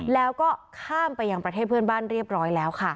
แล้วก็ข้ามไปยังประเทศเพื่อนบ้านเรียบร้อยแล้วค่ะ